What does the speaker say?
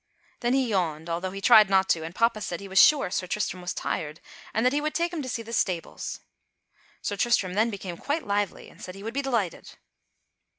Then he yawned, although he tried not to, and papa said he was sure Sir Tristram was tired, and that he would take him to see the stables. Sir Tristram then became quite lively and said he would be delighted.